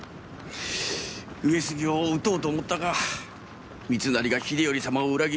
上杉を討とうと思ったが三成が秀頼様を裏切り挙兵した。